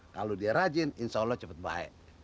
kalau dia rajin insya allah cepat baik